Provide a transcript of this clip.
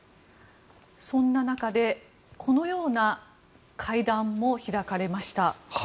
そんな中でこのような会談も開かれました。